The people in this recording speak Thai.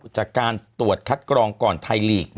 จากการตรวจคัดกรองก่อนไทยลีก